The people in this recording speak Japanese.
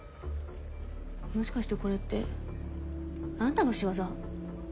もしかしてこれってあんたの仕業？